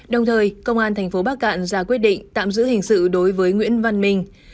đồng thời công an tp bắc cạn ra quyết định tạm giữ hình sự đối với nguyễn văn minh